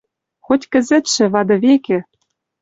Хоть кӹзӹтшӹ, вады векӹ